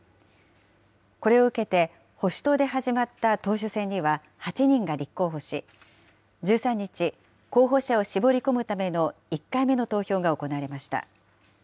これを受けて、保守党で始まった党首選には、８人が立候補し、１３日、候補者を絞り込むための１回目の投票が行われました。